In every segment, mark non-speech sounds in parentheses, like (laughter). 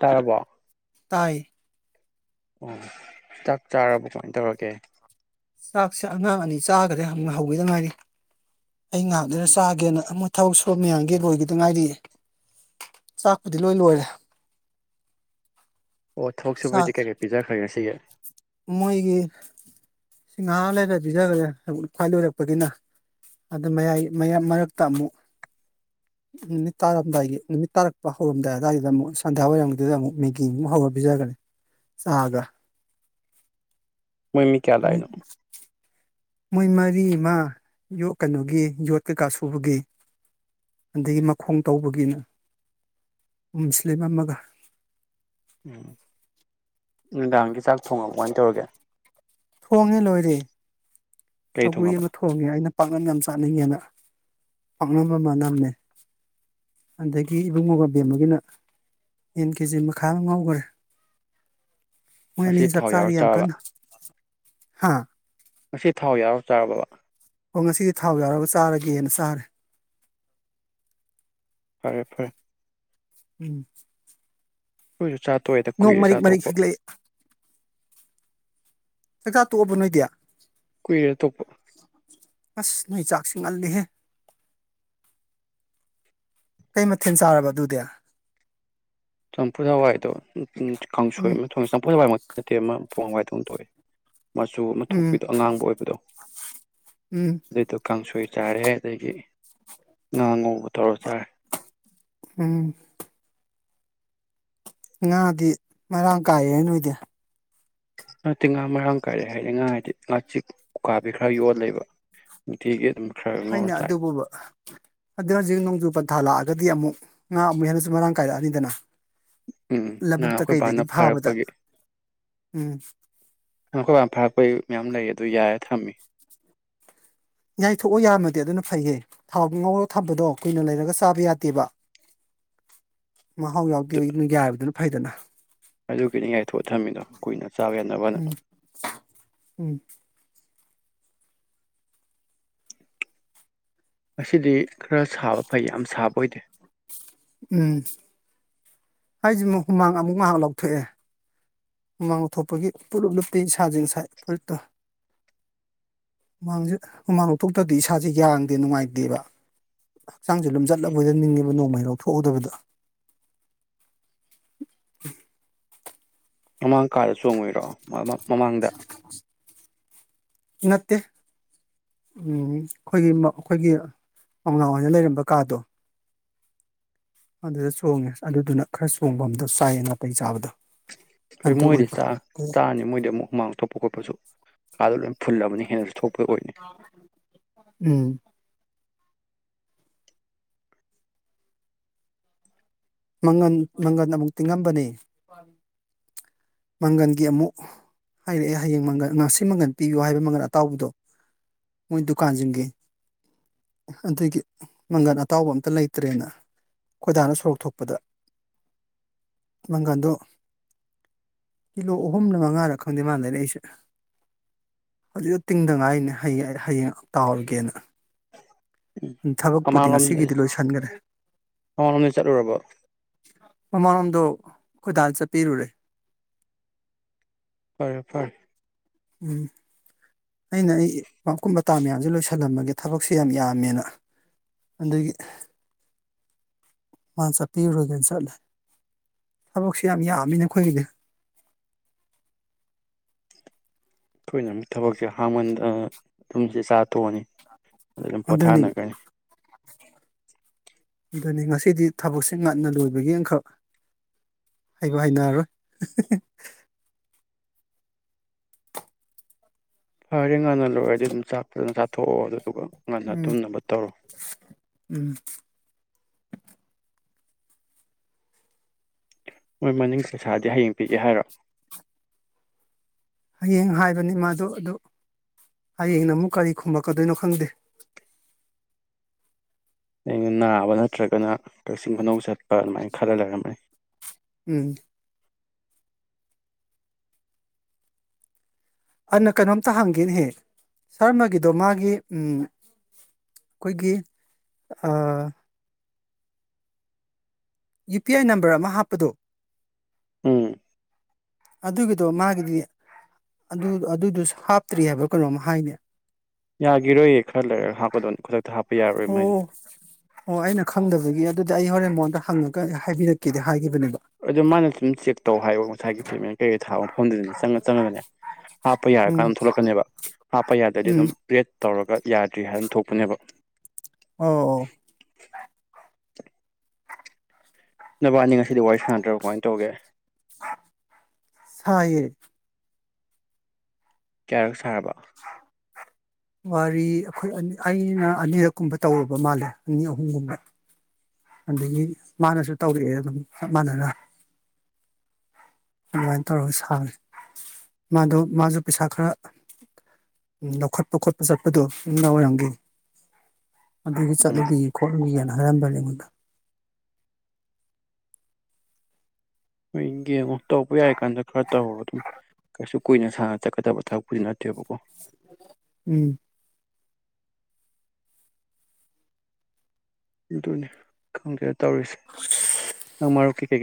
ꯇꯥꯔꯕꯣ ꯇꯥꯏ ꯑꯣ ꯆꯥꯛ ꯆꯥꯔꯕꯣ ꯀꯃꯥꯏ ꯇꯧꯔꯒꯦ ꯆꯥꯛꯁꯦ ꯑꯉꯥꯡ ꯑꯅꯤ ꯆꯥꯒꯔꯦ ꯍꯧꯒꯤꯗꯉꯥꯏꯔꯤ ꯑꯩ ꯉꯥꯏꯍꯥꯛ ꯂꯩꯔ ꯆꯥꯒꯦꯅ ꯑ ꯃꯣꯏ ꯊꯕꯛ ꯁꯣ ꯃꯌꯥꯝꯒꯤ ꯂꯣꯏꯒꯤꯗꯉꯥꯏꯔꯤꯌꯦ ꯆꯥꯛꯄꯨꯗꯤ ꯂꯣꯏ ꯂꯣꯏꯔꯦ ꯑꯣ ꯊꯕꯛ ꯆꯥꯛ ꯁꯨꯕꯩꯗꯤ ꯀꯩ ꯀꯩ ꯄꯤꯖꯈ꯭ꯔꯦ ꯉꯁꯤꯒꯤ ꯃꯣꯏꯒꯤ ꯁꯤꯡꯍꯥ ꯂꯩꯔ ꯄꯤꯖꯒꯔꯦ ꯈ꯭ꯋꯥꯏ ꯂꯣꯏꯔꯛꯄꯗꯤꯅ ꯑꯗꯥ ꯃꯌꯥꯏ ꯃ ꯃꯔꯛꯇ ꯑꯃꯨꯛ ꯅꯨꯃꯤꯠ ꯇꯥꯔꯝꯗꯥꯏꯒꯤ ꯅꯨꯃꯤꯠ ꯇꯥꯔꯛꯄ ꯍꯧꯔꯝꯗꯥꯏ ꯑꯗꯨꯋꯥꯏꯗ ꯑꯃꯨꯛ ꯁꯟꯗ꯭ꯋꯥ ꯑꯣꯏꯔꯝꯗꯨꯗ ꯑꯃꯨꯛ ꯃꯦꯒꯤ ꯑꯃꯨꯛ ꯍꯧꯔ ꯄꯤꯖꯒꯔꯦ ꯆꯥꯒ ꯃꯣꯏꯃꯤ ꯀꯌꯥ ꯃꯣꯏ ꯂꯥꯛꯏꯅꯣ ꯃꯣꯏ ꯃꯔꯤ ꯑꯃꯥ ꯌꯣ ꯀꯩꯅꯣꯒꯤ ꯌꯣꯠꯀꯩꯀꯥꯁꯨꯕꯒꯤ ꯑꯗꯩ ꯃꯈꯣꯡ ꯇꯧꯕꯒꯤꯅ ꯃꯨꯁꯂꯤꯝ ꯑꯃꯒ ꯎꯝ ꯅꯨꯡꯗꯥꯡꯒꯤ ꯆꯥꯛ ꯊꯣꯡꯉꯕꯣ ꯀꯃꯥꯏꯟ ꯇꯧꯔꯒꯦ ꯊꯣꯡꯉꯦ ꯂꯣꯏꯔꯦ ꯀꯩ ꯁꯧꯒ꯭ꯔꯤ ꯊꯣꯡꯉꯕ ꯑꯃ ꯊꯣꯡꯉꯦ ꯑꯩꯅ ꯄꯥꯛꯅ ꯌꯥꯝ ꯆꯥꯅꯤꯡꯉꯦꯅ ꯄꯥꯛꯅꯕ ꯑꯃ ꯅꯝꯃꯦ ꯑꯗꯒꯤ ꯏꯕꯨꯡꯉꯣ ꯒ ꯕꯦꯝꯃꯒꯤꯅ ꯌꯦꯟ ꯀꯦꯖꯤ ꯃꯈꯥ ꯉꯧꯈ꯭ꯔꯦ ꯃꯣꯏ ꯉꯁꯤ ꯑꯅꯤ ꯆꯥꯛ ꯊꯥꯎ ꯌꯥꯎꯔ ꯆꯥꯔꯤ ꯌꯥꯝ ꯆꯥꯔꯕ ꯀꯟꯅ ꯍꯥꯥ ꯉꯁꯤ ꯊꯥꯎ ꯌꯥꯎꯔ ꯆꯥꯔꯕꯕꯥ ꯍꯣꯏ ꯉꯁꯤꯗꯤ ꯊꯥꯎ ꯌꯥꯎꯔꯒ ꯆꯥꯔꯒꯦꯅ ꯆꯥꯔꯦ ꯐꯔꯦ ꯐꯔꯦ ꯎꯝ ꯍꯣꯏꯁꯨ ꯆꯠ ꯅꯣꯡ ꯃꯔꯤꯛ ꯃꯔꯤꯛ ꯍꯤꯛꯂꯛꯏ ꯆꯥꯛ ꯆꯥ ꯇꯣꯛꯑꯕ ꯅꯣꯏꯗꯤ ꯀꯨꯏꯔꯦ ꯇꯣꯛꯄ ꯑꯁ ꯅꯣꯏ ꯆꯥꯛꯁꯤ ꯉꯜꯂꯤꯍꯦ ꯀꯩ ꯃꯊꯦꯜ ꯆꯥꯔꯕ ꯑꯗꯨꯗꯤ ꯆꯝꯐꯨꯠ ꯍꯋꯥꯏꯗꯣ ꯀꯥꯡꯁꯣꯏ ꯎꯝ ꯑꯃ ꯊꯣꯡꯉ ꯆꯝꯐꯨꯠ ꯍꯋꯥꯏꯃꯛꯇꯤ ꯅꯠꯇꯦ ꯑꯃ ꯄꯣꯡꯍꯋꯥꯏ ꯊꯣꯛꯗꯣꯛꯏ ꯃꯆꯨ ꯑꯃ ꯎꯝ ꯊꯣꯛꯄꯤꯗꯣ ꯑꯉꯥꯡꯕ ꯑꯣꯏꯕꯗꯣ ꯎꯝ ꯑꯗꯨ ꯇꯣ ꯀꯥꯡꯁꯣꯏ ꯆꯥꯔꯦ ꯑꯗꯩꯗꯤ ꯉꯥ ꯉꯧꯕ ꯇꯧꯔ ꯆꯥꯔꯦ ꯎꯝ ꯉꯥꯗꯤ ꯃꯔꯥꯡ ꯀꯥꯏꯌꯦ ꯅꯣꯏꯗꯤ ꯅꯠꯇꯦ ꯉꯥ ꯃꯔꯥꯡ ꯀꯥꯏꯔꯦ ꯍꯥꯏꯗꯤ ꯉꯥ ꯍꯥꯏꯗꯤ ꯉꯥ ꯆꯦꯛ ꯎꯀꯥꯕꯤ ꯈꯔ ꯌꯣꯜꯂꯦꯕ ꯅꯨꯡꯇꯤꯒꯤ ꯑꯗꯨꯝ ꯈꯔ ꯉꯧꯔ ꯍꯣꯏꯅꯦ ꯆꯥꯏ ꯑꯗꯨꯕꯨꯕ ꯑꯗꯨꯛ ꯍꯧꯖꯤꯛ ꯅꯣꯡꯖꯨ ꯄꯟꯊꯥ ꯂꯛ ꯑꯒꯗꯤ ꯑꯃꯨꯛ ꯉꯥ ꯑꯃꯨꯛ ꯍꯦꯟꯅꯁꯨ ꯃꯔꯥꯡ ꯀꯥꯏꯔꯛꯑꯅꯤꯗꯅ ꯎꯝ ꯅ ꯂꯧꯕꯨꯛꯇ ꯑꯩꯈꯣꯏꯕꯥꯅ ꯀꯩꯗꯒꯤ ꯐꯥꯕꯗ ꯐꯥꯔꯛꯄꯒꯤ ꯎꯝ ꯅ ꯑꯩꯈꯣꯏ ꯕꯥ ꯐꯥꯔꯛꯄꯒꯤ ꯃꯌꯥꯝ ꯂꯩ ꯑꯗꯨ ꯌꯥꯏ ꯊꯝꯃꯤ ꯌꯥꯏꯊꯣꯛꯑꯣ ꯌꯥꯝꯃꯗꯤ ꯑꯗꯨꯅ ꯐꯩꯌꯦ ꯊꯥꯎ ꯉꯧꯔ ꯊꯝꯕꯗꯣ ꯀꯨꯏꯅ ꯂꯩꯔꯒ ꯆꯥꯕ ꯌꯥꯗꯦꯕ ꯃꯥ ꯍꯧ ꯌꯥꯎꯗꯦ ꯑꯗꯨ ꯌꯥꯏ ꯍꯥꯏꯕꯗꯨꯅ ꯐꯩꯗꯅ ꯑꯗꯨꯒꯤꯅꯤ ꯌꯥꯏꯊꯣꯛ ꯊꯝꯃꯤꯅꯣ ꯀꯨꯏꯅ ꯆꯥꯕ ꯌꯥꯅꯕ ꯎꯝ ꯎꯝ ꯉꯁꯤꯗꯤ ꯈꯔ ꯁꯥꯕ ꯐꯩ ꯌꯥꯝ ꯁꯥꯕ ꯑꯣꯏꯗꯦ ꯎꯝ ꯍꯥꯏꯖꯤꯃꯨꯛ ꯍꯨꯃꯥꯡ ꯑꯃꯨꯛ ꯉꯥꯏꯍꯥꯛ ꯂꯧꯊꯣꯛꯑꯦ ꯍꯨꯃꯥꯡ ꯂꯧꯊꯣꯛꯄꯒꯤ ꯄꯨꯂꯞ ꯂꯨꯞꯄꯤ ꯏꯁꯥꯁꯤ ꯉꯁꯥꯏ ꯐꯨꯔꯤꯠꯇꯨ ꯍꯨꯃꯥꯡꯁꯤ ꯍꯨꯃꯥꯡ ꯂꯧꯊꯣꯛꯇ꯭ꯔꯗꯤ ꯏꯁꯥꯁꯦ ꯌꯥꯡꯗꯦ ꯅꯨꯡꯉꯥꯏꯇꯦꯕ ꯍꯛꯆꯥꯡꯁꯦ ꯂꯨꯝꯖꯟ ꯂꯕꯣꯏꯗ ꯅꯤꯡꯉꯦꯕ ꯅꯣꯡꯃꯩ ꯂꯧꯊꯣꯛꯍꯧꯗꯕꯗ ꯃꯃꯥꯡ ꯀꯥꯗ ꯆꯣꯡꯉꯨꯏꯔꯣ ꯃꯃꯥꯡꯗ ꯅꯠꯇꯦ ꯎꯝ ꯑꯩꯈꯣꯏꯒꯤ ꯑꯩꯈꯣꯏꯒꯤ ꯑꯣꯏꯅ ꯂꯩꯔꯝꯕ ꯀꯥꯗꯣ ꯑꯗꯨꯗ ꯆꯣꯡꯉꯦ ꯑꯗꯨꯗꯨꯅ ꯈꯔ ꯆꯣꯡꯐꯝ ꯗꯣ ꯆꯥꯏꯌꯦ ꯅꯥꯇꯩꯩ ꯆꯥꯕꯗꯣ ꯑꯗꯨꯣꯏ ꯑꯗꯨ ꯃꯣꯏꯗꯤ ꯑꯣꯏꯕ ꯆꯥꯔꯅꯤ ꯃꯣꯏꯗꯤ ꯑꯃꯨꯛ ꯍꯨꯃꯥꯡ ꯇꯣꯛꯞꯄ ꯈꯣꯠꯄꯁꯨ ꯀꯥꯗ ꯂꯣꯏꯅ ꯐꯨꯜꯂꯕꯅꯤ ꯍꯦꯟꯅꯁꯨ ꯊꯣꯛꯄ ꯑꯣꯏꯅꯤ ꯎꯝ ꯃꯪꯒꯟ ꯃꯪꯒꯟ ꯑꯃꯨꯛ ꯇꯤꯡꯉꯝꯕꯅꯦ ꯃꯪꯒꯟꯒꯤ ꯑꯃꯨꯛ ꯍꯥꯏꯔꯛꯑꯦ ꯍꯌꯦꯡ ꯃꯪꯒꯟ ꯉꯁꯤ ꯃꯪꯒꯟ ꯄꯤꯕꯤꯌꯨ ꯍꯥꯏꯕ ꯃꯪꯒꯟ ꯑꯇꯥꯎꯕꯗꯣ ꯃꯣꯏ ꯗꯨꯀꯥꯟꯁꯤꯡꯒꯤ ꯑꯗꯨꯗꯒꯤ ꯃꯪꯒꯟ ꯑꯇꯥꯎꯕ ꯑꯝꯇ ꯂꯩꯇ꯭ꯔꯦꯅ ꯈꯣꯏꯗꯥꯅ ꯁꯣꯔꯣꯛ ꯊꯣꯛ ꯄꯗ ꯃꯪꯒꯟꯗꯣ ꯀꯤꯂꯣ ꯑꯍꯨꯝꯅ ꯃꯉꯥꯔ ꯈꯪꯗꯦ ꯃꯥꯜꯂꯔꯛ ꯑꯩꯁꯦ ꯍꯧꯖꯤꯛꯗ ꯇꯤꯡꯗꯉꯥꯏꯅꯦꯡ ꯍꯌꯦꯡ ꯇꯥꯎꯔꯒꯦꯅ ꯎꯝ ꯊꯕꯛꯄꯨꯗꯤ ꯃꯃꯥꯡꯂꯣꯝꯗ ꯉꯁꯤꯒꯤꯗꯤ ꯂꯣꯏꯁꯤꯟꯈ꯭ꯔꯦ ꯃꯃꯥꯡꯂꯣꯝꯗ ꯆꯠꯂꯨꯔꯕꯣ ꯃꯃꯥꯂꯣꯝꯗꯣ ꯀꯣꯏꯗꯥꯜ ꯆ ꯄꯤꯔ ꯎꯔꯦ ꯐꯔꯦ ꯐꯔꯦ ꯎꯝ ꯑꯩꯅ ꯑꯩ ꯄꯀꯨꯝ ꯃꯇꯇꯥ ꯃꯌꯥꯝꯁꯦ ꯂꯣꯏꯁꯤꯜꯂꯝꯃꯒꯦ ꯊꯕꯛꯁꯦ ꯌꯥꯝ ꯌꯥꯝꯃꯦꯅ ꯑꯗꯨꯗꯒꯤ ꯃꯥ ꯆꯠꯄꯤꯔꯨꯔꯨꯔꯒꯦꯅ ꯆꯠꯂꯦ ꯊꯕꯛꯁ ꯌꯥꯝ ꯌꯥꯝꯃꯤꯅ ꯑꯩꯈꯣꯏꯒꯤꯗꯤ ꯑꯩꯈꯣꯏꯅꯨꯛ ꯊꯕꯛꯁꯦ ꯍꯥꯡꯃꯟ ꯑꯗꯨꯨꯝꯁꯦ ꯆꯥ ꯊꯣꯛꯑꯅꯤ ꯑꯗꯨ ꯑꯗꯨꯝ ꯑꯗꯨꯅꯤ ꯄꯣꯊꯥꯅꯒꯅꯤ ꯑꯗꯨꯅꯤ ꯉꯁꯤꯗꯤ ꯊꯕꯛꯁꯦ ꯉꯟꯅ ꯂꯣꯏꯕꯒꯤ ꯑꯃꯈꯛ ꯍꯥꯏꯕ ꯍꯥꯏꯅꯔꯔꯣꯏ ꯍ ꯇꯦꯡꯅ ꯂꯣꯏ ꯍꯥꯏꯗꯤ ꯑꯗꯨꯝ ꯆꯥꯛ ꯊꯣꯛꯑꯣ ꯑꯗꯨꯗꯨꯒ ꯉꯟꯅ ꯎꯝ ꯇꯨꯝꯅꯕ ꯇꯧꯔꯣ ꯎꯝ ꯃꯣꯏ ꯃꯅꯤꯡ ꯄꯩꯁꯥꯗꯤ ꯍꯌꯦꯡ ꯄꯤꯒꯦ ꯍꯥꯏꯔꯣꯑꯣ ꯍꯌꯦꯡ ꯍꯥꯏꯕꯅꯤ ꯃꯥꯗꯣ ꯑꯗꯨ ꯍꯌꯦꯡꯅ ꯑꯃꯨꯛ ꯀꯔꯤ ꯈꯨꯝꯃꯛꯀꯗꯣꯏꯅꯣ ꯈꯪꯗꯦ ꯑꯩꯅ ꯅꯥꯕ ꯅꯠꯇ꯭ꯔꯒꯅ ꯀꯛꯆꯤꯡ ꯈꯨꯅꯧ ꯆꯠꯄ ꯑꯗꯨꯃꯥꯏꯅ ꯈꯔ ꯂꯩꯔꯝꯃꯦ ꯎꯝ ꯑꯟꯅ ꯀꯩꯅꯣꯝꯇ ꯍꯪꯒꯦꯅꯍꯦꯛ ꯁꯥꯔꯃꯒꯤꯗꯣ ꯃꯥꯒꯤ ꯑꯩꯈꯣꯏꯒꯤ ꯌꯨ ꯄꯤ ꯑꯥꯏ ꯅꯝꯕꯔ ꯑꯃ ꯍꯥꯞꯄꯗꯣ ꯎꯝ ꯑꯗꯨꯒꯤꯗꯣ ꯃꯥꯒꯤꯗꯤ ꯑꯗꯨꯗꯨꯁꯨ ꯍꯥꯞꯇ꯭ꯔꯤ ꯍꯥꯏꯕ ꯀꯩꯅꯣꯝꯃ ꯍꯥꯏꯅꯦ ꯌꯥꯈꯤꯔꯣꯏꯌꯦ ꯈꯔ ꯂꯩꯔꯒ ꯍꯥꯞꯀꯗꯣꯏꯅꯤ ꯈꯨꯗꯛꯇ ꯍꯥꯄꯄꯤ ꯑꯣ ꯑꯣ ꯑꯩꯅ ꯈꯪꯗꯕꯒꯤ ꯑꯗꯨꯗꯤ ꯑꯩ ꯍꯣꯔꯦꯟ ꯃꯣꯟꯗ ꯍꯪꯉꯒ ꯍꯥꯏꯕꯤꯔꯛꯀꯗꯦ ꯍꯥꯏ ꯑꯗꯨ ꯃꯥꯅ ꯑꯗꯨꯝ ꯆꯦꯛ ꯇꯧ ꯍꯥꯏꯌ ꯉꯁꯥꯏꯒꯤ ꯄꯦꯃꯦꯟ ꯀꯩꯀꯩ ꯊꯥꯕ ꯃꯐꯝꯗꯨꯗꯅꯦ ꯆꯪꯉ ꯆꯪꯉꯒꯅꯦ ꯍꯥꯞꯄ ꯌꯥꯔꯀꯥꯟꯗ ꯎꯝ ꯑꯗꯨꯝ ꯊꯣꯛꯂꯛꯀꯅꯦꯕ ꯍꯥꯞꯄ ꯌꯥꯗ꯭ꯔꯗꯤ ꯎꯝ ꯑꯗꯨꯝ ꯕ꯭ꯔꯦꯗ ꯇꯧꯔꯒ ꯌꯥꯗ꯭ꯔꯤ ꯍꯥꯏꯅ ꯊꯣꯛꯄꯅꯦꯕ ꯑꯣ ꯑꯣ ꯅꯕꯥꯅꯤꯉꯁꯤ ꯁꯤꯗꯤ ꯋꯥꯔꯤ ꯁꯥꯟꯅꯗ꯭ꯔꯕ ꯀꯃꯥꯏꯅ ꯇꯧꯒꯦ ꯁꯥꯏꯌꯦ ꯀꯌꯥꯔꯛ ꯁꯥꯔꯕ ꯋꯥꯔꯤ ꯑꯩꯈꯣꯏ ꯑꯩꯅ ꯑꯅꯤꯔꯛꯀꯨꯝꯕ ꯇꯧꯔꯨꯕ ꯃꯥꯜꯂꯦ ꯑꯅꯤ ꯑꯍꯨꯝꯒꯨꯝꯕ ꯑꯗꯒꯤ ꯃꯥꯅꯁꯨ ꯇꯧꯔꯛꯑꯦ ꯑꯗꯨꯝ ꯆꯞ ꯃꯅꯅ ꯑꯗꯨꯃꯥꯏꯅ ꯇꯧꯔꯒ ꯁꯥꯔꯦ ꯃꯥꯗꯣ ꯃꯥꯁꯨ ꯄꯩꯁꯥ ꯈꯔ ꯂꯧꯈꯠꯄ ꯈꯣꯠꯄ ꯆꯠꯄꯗꯣ ꯌꯅꯨꯡꯗ ꯑꯣꯏꯔꯝꯒꯦ ꯑꯗꯨꯒꯤ ꯎꯝ ꯆꯠꯂꯨꯕꯤ ꯈꯣꯠꯂꯨꯒꯅ ꯑꯂꯥꯝꯕ ꯂꯩꯅꯤꯕ꯫ ꯍꯣꯏ ꯌꯦꯡꯉꯣ ꯇꯧꯕ ꯌꯥꯔꯤ ꯀꯥꯟꯗ ꯈꯔ ꯇꯧꯔꫭ ꯑꯗꯨꯝ ꯀꯩꯁꯨ ꯀꯨꯏꯅ ꯁꯅ ꯆꯠꯀꯗꯕ ꯊꯕꯛꯄꯨꯗꯤ ꯅꯠꯇꯦꯕꯀꯣ꯫ ꯎꯝ꯫ ꯑꯗꯨꯅꯤ ꯈꯪꯗ‌ꯦ꯫ ꯇꯧꯔꯤꯁꯤ ꯅꯪꯃꯨꯞꯀꯤ꯫ ꯊꯦ꯫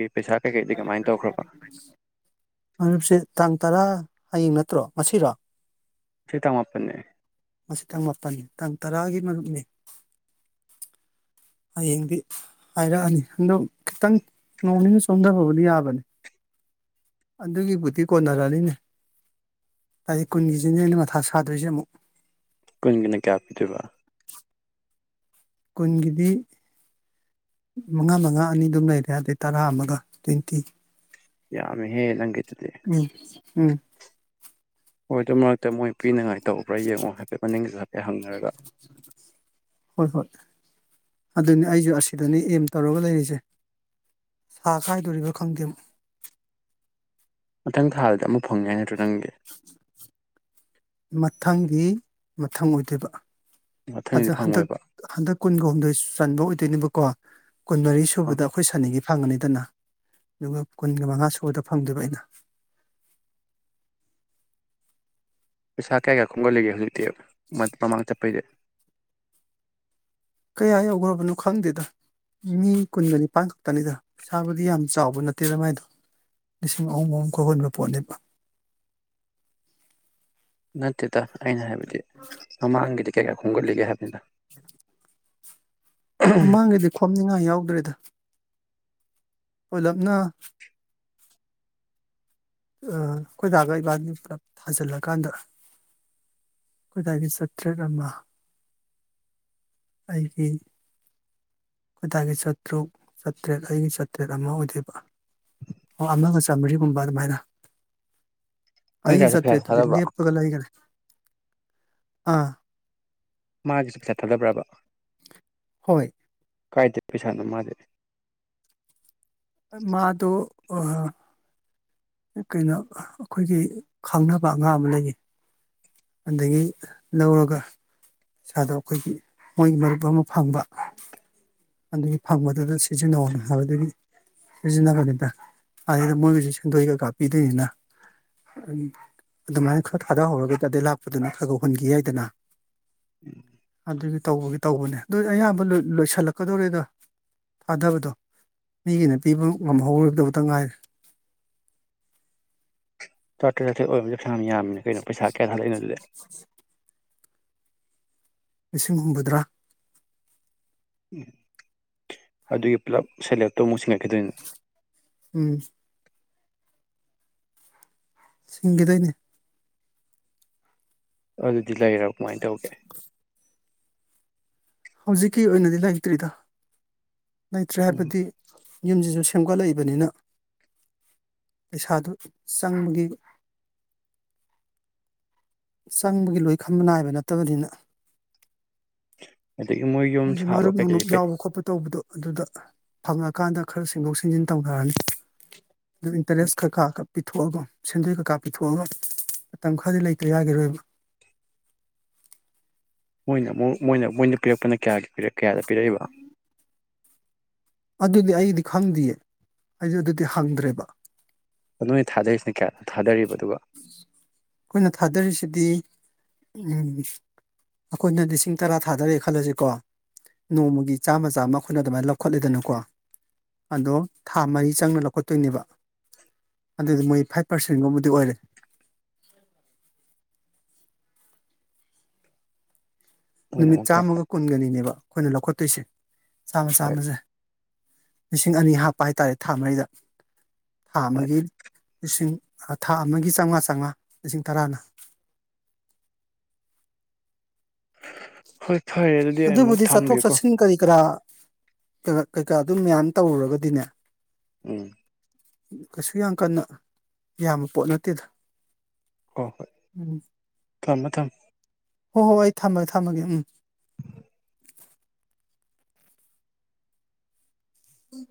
ꯃꯔꯨꯞꯁ‌ꯦ ꯇꯥꯡ ꯇꯔꯥ꯫ ꯍꯌꯦꯡ ꯅꯠꯇ꯭ꯔꯣ ꯉꯁꯤꯔꯣ꯫ ꯁꯤ ꯇꯥꯡꯃꯄꯟꯅ‌ꯦ꯫ ꯉꯁꯤ ꯇꯥꯡ ꯃꯥꯄꯜꯅꯤ ꯇꯥꯡ ꯇꯔꯥꯒꯤ ꯃꯔꯨꯞꯅꯤ꯫ ꯍꯌꯦꯡꯗꯤ ꯍꯥꯏꯔꯛꯑꯅꯤ ꯑꯗꯣ ꯈꯤꯇꯪ ꯅꯣꯡꯅꯤꯅꯤ ꯆꯣꯟꯗꯕꯕꯨꯗꯤ ꯌꯥꯕꯅꯤ꯫ ꯑꯗꯨꯒꯤꯕꯨꯗꯤ ꯀꯣꯟꯅꯔꯅꯤꯅꯦ ꯇꯥꯔꯤꯛ ꯀꯨꯟꯒꯤꯁꯤꯅꯦ ꯑꯩꯅ ꯃꯊꯥ ꯁꯥꯗꯣꯏꯁꯦ ꯑꯃꫭꯛ꯫ ꯀꯨꯟꯒꯤꯅ ꯀꯌꯥ ꯄꯤꯗꯣꯏꯕ꯫ ꯀꯨꯟꯒꯤꯗꯤ꯫ ꯃꯉꯥ ꯃꯉꯥ ꯑꯅꯤꯗꯨꯝ ꯂꯩꯔꯦ ꯑꯗꯩ ꯇꯔꯥ ꯑꯃꯒ ꯇꫭꯟꯏꯇꯤ꯫ ꯌꯥꯃ‌ꯦ ꯍꯦ ꯅꯪꯒꯤ꯫ ꯎꯝ ꯎꯝ꯫ ꯍꯣꯏ ꯑꯗꯨ ꯃꯔꯛꯇ ꯃꯣꯏ ꯄꯤꯅꯉꯥꯏ꯫ ꯇꯧꯕ꯭ꯔꯥ ꯌꯦꯡꯉꯣ ꯍꯥꯏꯐꯦꯠ ꯃꯅꯤꯡꯒꯤꯁꯨ ꯍꯥꯏꯐꯦꯠ ꯍꯪꯅꯔꯒ꯫ ꯍꯣꯏ ꯍꯣꯏ ꯑꯗꯨꯅꯤ ꯑꯩꯁꯨ ꯑꯁꯤꯗꯅꯤ ꯑꯦꯝ ꯇꯧꯔꯒ ꯂꯩꯔꯤꯁꯦ ꯁꯥ ꯈꯥꯏꯗꯣꯔꯤꯕ꯭ꯔꯥ ꯈꯪꯗꯦ ꯑꯃꯨꯛ꯫ ꯃꯊꯪ ꯊꯥꯗꯗꯤ ꯑꯃꯨꯛ ꯐꯪꯉꯦ ꯍꯥꯏ꯫ ꯅꯪꯒꯤ꯫ ꯃꯊꯪꯗꯤ ꯃꯊꯪ ꯑꯣꯏꯗꯣꯏꯕ꯫ ꯃꯊꯪꯗꯤ ꯑꯗ ꯍꯟꯗꯛ ꯐꯪꯉꯣꯏꯕ ꯍꯟꯗꯛ ꯀꯨꯟꯒ ꯍꯨꯝꯗꯣꯏ ꯆꯟꯕ ꯑꯣꯏꯗꯣꯏꯅꯦꯕꯀꯣ꯫ ꯀꯨꯟꯃꯔꯤ ꯑ ꯁꯨꯕꯗ ꯑꯈꯣꯏ ꯁꯥꯟꯅꯒꯤ꯫ ꯐꯪꯒꯅꯤꯗꯅ ꯑꯗꯨꯒ ꯀꯨꯟꯒ ꯃꯉꯥ ꯁꯨꯕꯗ ꯐꯪꯗꫭꯏꯕ ꯑꯩꯅ꯫ ꯄꯩꯁꯥ ꯀ꯭ꯌꯥꯒ꯭ꯔꯥꯅꫭ꯫ ꯈꯣꯒꯠꯂꯒꯦ ꯍꯧꯖꯤꯛꯇꯤ ꯃꯃꯥꯡꯗ ꯆꯠꯄꯩꯗꯤ꯫ ꯀꯌꯥ ꯌꯧꯒ꯭ꯔꯕꯅꯣ ꯈꯪꯗꯦꯗ ꯃꯤ ꯀꯨꯟꯒ ꯅꯤꯄꯥꯟ ꯈꯛꯇꯅꯤꯗ ꯄꯩꯁꯥꯕꯨꯗꯤ ꯌꯥꯝ ꯆꯥꯎꯕ ꯅꯠꯇꯦꯗ ꯃꯥꯏꯗꯣ ꯂꯤꯁꯤꯡ ꯑꯍꯨꯝ ꯑꯍꯨꯝ ꯈꯛ ꯍꯨꯟꯕ ꯄꯣꯠꯅꯦꯕ꯫ ꯅꯠꯇꯦ꯫ ꯗ ꯑꯩꯅ ꯍꯥꯏꯕꯗꯤ ꯃꯃꯥꯡꯒꯤꯗꯤ ꯀꯩ ꯀꯌꯥ ꯈꯣꯝꯒꯠꯂꯤꯒꯦ ꯍꯥꯏꯕꯅꯤꯅ꯫ ꯃꯃꯥꯡꯒꯩꯗꯤ ꯈꯣꯝꯅꯤꯡꯉꯥꯏ ꯌꯥꯎꯗ꯭ꯔꯦ꯫ ꯗ꯫ ꯄꯨꯂꯞꯅ꯫ ꯑꯈꫭꯏ ꯗꯥꯒ ꯏꯕꯥꯅꯤ ꯄꯨꯂꯞ ꯊꯥꯖꯤꯜꯂꯛꯀꯥꯟꯗ ꯑꯈꯣꯏ ꯗꯥꯒꯤ ꯆꯥꯇ꯭ꯔꯦꯠ ꯑꯃ꯫ ꯑꯩꯒꯤ ꯈꫭꯏꯗꯥꯒꯤ ꯆꯥꯇ꯭ꯔꯨꯛ ꯆꯥꯇ꯭ꯔꯦꯠ ꯑꯩꯒꯤ ꯆꯥꯇ꯭ꯔꯦꯠ ꯑꯃ ꯑꯣꯏꯗꯥꯏꯕ ꯑꯣ ꯑꯃꯒ ꯆꯥꯝꯃꯔꯤꯒꯨꯝꯕ ꯑꯗꯨꯃꯥꯏꯅ꯫ ꯅꯣꯏ ꯑꯩꯒꯤ ꯗꯥꯁꯨ ꯄꯩꯁꯥ ꯆꯥꯇ꯭ꯔ‌ꯦꯠꯇꯨꯗꯤ ꯊꯥꯗꯕ꯭ꯔꯣ ꯂ‌ꯦꯞꯄꯒ ꯂꯩꯒꯔ‌ꯦ꯫ ꯑꯥ꯫ ꯃꯥꯒꯤꯁꯨ ꯄꯩꯁꯥ ꯊꯥꯗꯕ꯭ꯔꯕ꯫ ꯍꯣꯏ ꯀꯥꯏꯗꯦ ꯄꯩꯁꯥꯅ ꯃꯥꯗꯦ ꯃꯥꯗꯣ ꯑꯍꯣ ꯀꯩꯅꯣ ꯑꯩꯈꯣꯏꯒꯤ ꯈꯪꯅꯕ ꯑꯉꯥꯡ ꯑꯃ ꯂꯩꯌꯦ ꯑꯗꯒꯤ ꯂꯧꯔꯒ ꯏꯁꯥꯗꯣ ꯑꯩꯈꯣꯏꯒꯤ ꯃꯣꯏꯒꯤ ꯃꯔꯨꯞ ꯑꯃ ꯐꯪꯕ ꯑꯗꯨꯒꯤ ꯐꯪꯕꯗꯨꯗ ꯁꯤꯖꯤꯟꯅꯧꯅꯦ ꯍꯥꯏꯕꯒꯤ ꯁꯤꯖꯤꯟꯅꯕꯅꯤꯗ ꯑꯗꯨꯩꯗ ꯃꯣꯏꯒꯤꯁꯨ ꯁꯁꯤꯡꯗꯣꯏꯒ ꯀꯥꯞꯄꯤꯗꯣꯏꯅꯤꯅ ꯑꯗꯨꯃꯥꯏꯅ ꯈꯔ ꯊꯥꯗꯍꯧꯔꯒꯗꯤ ꯑꯗꯩ ꯂꯥꯛꯄꯗꯨꯅ ꯈꯔꯒ ꯍꯨꯟꯈꯤ ꯌꯥꯏꯗꯅ ꯑꯗꯨꯒꯤ ꯇꯧꯕꯒꯤ ꯇꯧꯕꯅꯦ ꯑꯗꯨ ꯑꯌꯥꯝꯕ ꯂꯣꯏꯁꯤꯜꯂꯄ ꯀꯀꯗꯧꯔꯦꯗ ꯊꯥꯗꯕꯗꯣ ꯃꯤꯒꯤꯅ ꯄꯤꯕ ꯉꯝꯍꯧꯔꯗꯕꯗ ꯉꯥꯏꯔꯦ ꯆꯇ ꯑꯣꯏ ꯄꯩꯁꯥ ꯑꯃ ꯌꯥꯝꯃꯤꯅ ꯀꯩꯅꯣ ꯄꯩꯁꯥ ꯀꯌꯥ ꯈꯔ ꯂꯩꯅ ꯑꯗꯨꯗ ꯂꯤꯁꯤꯡ ꯍꯨꯝꯐꯨꯇꯔꯥ ꯎꯝ ꯑꯗꯨꯒꯤ ꯄꯨꯂꯞ ꯁꯦꯂꯦꯛꯛꯇꯧ ꯑꯃꯨꯛ ꯁꯤꯉꯠꯈꯤꯗꯣꯏꯅꯦ ꯎꯝ ꯁꯤꯁꯤꯡꯒꯗꯅꯦ ꯑꯗꯨ ꯗꯤ ꯂꯩꯔꯕꯣ ꯀꯃꯥꯏꯅ ꯇꯧꯒꯦ ꯍꯧꯖꯤꯛꯀꯤ ꯑꯣꯏꯅꯗꯤ ꯂꯩꯇ꯭ꯔꯤꯗ ꯂꯩꯇ꯭ꯔꯦ ꯎꯝ ꯍꯥꯏꯕꯗꯤ ꯌꯨꯝꯁꯤꯁꯨ ꯁꯦꯝꯒꯠꯂꯛꯏꯕꯅꯤꯅ ꯄꯩꯁꯥꯗꯨ ꯆꯪꯕꯒꯤ ꯆꯪꯕꯒꯤ ꯂꯣꯏ ꯈꯝꯕ ꯅꯥꯏꯕ ꯅꯠꯇꯕꯅꯤꯅ (unintelligible) ꯌꯨꯝ ꯃꯣꯏꯁꯨꯦ ꯁꯥꯕ ꯃꯔꯨꯞ ꯀꯩꯀꯩ ꯅꯨꯡꯞ ꯄꯩ ꯌꯥꯎꯕ ꯈꯣꯠꯄ ꯇꯧꯕꯗꯣ ꯑꯗꯨꯗ ꯐꯪꯉꯀꯥꯟꯗ ꯈꯔ ꯁꯦꯝꯦꯡꯗꯣꯛ ꯁꯦꯝꯦꯡꯖꯤꯟ ꯇꯧꯅꯔꯅꯤ ꯏꯟꯇꯔꯦꯁ ꯈꯥ ꯈ ꯄꯤꯊꯣꯛꯑꯒ ꯁꯦꯟꯗꯣꯏ ꯀꯀꯥ ꯄꯤꯊꯣꯛꯑꯒ ꯃꯇꯝ ꯈꯔꯗꯤ ꯂꯩꯇ꯭ꯔ ꯌꯥꯈꯤꯔꯣꯏꯕ ꯃꯣꯏꯅ ꯑꯃꯨꯛ ꯃꯣꯏꯅ ꯃꯣꯏꯅ ꯄꯤꯔꯛꯄꯅ ꯀꯌꯥꯒꯤ ꯄꯔ ꯀꯌꯥꯗ ꯄꯤꯔꯛꯏꯕ ꯑꯗꯨꯗꯤ ꯑꯩꯗꯤ ꯈꯪꯗꯌꯦ ꯑꯩꯗꯤ ꯑꯗꯨꯗꯤ ꯍꯪꯗ꯭ꯔꯦꯕ ꯅꯣꯏ ꯊꯥꯗꯔꯤꯁꯤꯅ ꯀꯌꯥꯅ ꯊꯥꯗꯔꯤꯕ ꯑꯗꯨꯒ ꯑꯩꯈꯣꯏꯅ ꯊꯥꯗꯔꯤꯁꯤꯗꯤ ꯑꯩꯈꯣꯏꯅ ꯂꯤꯁꯤꯡ ꯇꯔꯥ ꯊꯥꯗꯔꯦ ꯈꯜꯂꯁꯤꯀꯣ ꯅꯣꯡꯃꯒꯤ ꯆꯥꯝꯃ ꯆꯥꯝꯃ ꯑꯩꯈꯣꯏꯅ ꯑꯗꯨꯃꯥꯏꯅ ꯂꯧꯈꯠꯂꯤꯗꯅꯀꯣ ꯑꯗꯣ ꯊꯥ ꯃꯔꯤ ꯆꯪꯅ ꯂꯧꯈꯠꯇꯣꯏꯅꯦꯕ ꯑꯗꯨꯗꯤ ꯃꯣꯏ ꯐꯥꯏꯚ ꯄꯥꯔꯁꯦꯟꯒꯨꯝꯕꯗꯤ ꯑꯣꯏꯔꯦ ꯃꯣꯏꯅ ꯅꯨꯃꯤꯠ ꯑꯃꯨꯛ ꯀꯌꯥ? ꯆꯥꯝꯃꯒ ꯀꯨꯟꯒꯅꯤꯅꯦꯕ ꯑꯩꯈꯣꯏꯅ ꯂꯧꯈꯠꯇꯣꯏꯁꯦ ꯆꯥꯝꯃ ꯍꯣꯏ ꯆꯥꯝꯃꯁꯦ ꯂꯤꯁꯤꯡ ꯑꯅꯤ ꯍꯥꯞꯄ ꯍꯥꯏꯇꯥꯔꯦ ꯊꯥ ꯃꯔꯤꯗ ꯊꯥ ꯍꯣꯏ ꯑꯃꯒꯤ ꯂꯤꯁꯤꯡ ꯊꯥ ꯑꯃꯒꯤ ꯆꯥꯝꯃꯉꯥ ꯆꯥꯝꯃꯉꯥ ꯂꯤꯁꯤꯡ ꯇꯔꯥꯅ ꯍꯣꯏ ꯐꯔꯦ ꯑꯗꯨꯗꯤ ꯑꯩ ꯑꯃꯨꯛ ꯑꯗꯨꯕꯨꯗꯤ ꯆꯠꯊꯣꯛ ꯊꯝꯒꯦꯀꯣ ꯆꯠꯁꯤꯟ ꯀꯔꯤ ꯀꯔꯥ ꯀꯩꯀꯥ ꯑꯗꯨꯝ ꯃꯅ ꯇꯧꯔꯨꯔꯒꯗꯤꯅꯦ ꯎꯝ ꯀꯩꯁꯨ ꯌꯥꯝ ꯀꯟꯅ ꯌꯥꯝꯕ ꯄꯣꯠ ꯅꯠꯇꯦꯗ ꯍꯣꯏ ꯍꯣꯏ ꯎꯝ ꯊꯝꯃꯦ ꯊꯝꯃꯦ ꯍꯣꯏ ꯍꯣꯏ ꯑꯩ ꯊꯝꯃꯒꯦ ꯊꯝꯃꯒꯦ ꯎꯝ ꯎꯝ